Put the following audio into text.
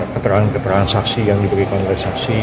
keterangan keterangan saksi yang diberikan oleh saksi